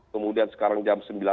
kemudian sekarang jam sembilan